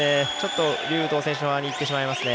劉禹とう選手側にいってしまいますね。